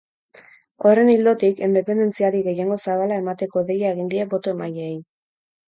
Horren ildotik, independentziari gehiengo zabala emateko deia egin die boto-emaileei.